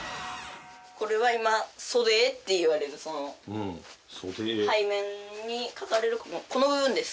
これは今袖絵っていわれる背面に描かれるこの部分です。